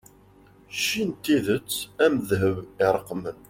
cci n tidet am ddheb iṛeqqen